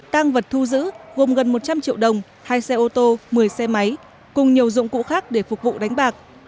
tăng vật thu giữ gồm gần một trăm linh triệu đồng hai xe ô tô một mươi xe máy cùng nhiều dụng cụ khác để phục vụ đánh bạc